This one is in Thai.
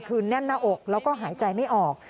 คือแน่นหน้าอกแล้วก็หายใจไม่ออก